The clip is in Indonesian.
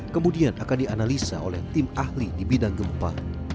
kemudian akan dianalisa oleh tim ahli di bidang gempa